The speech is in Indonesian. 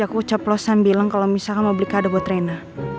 aku ucap losan bilang kalau misalnya mau beli kado buat rehna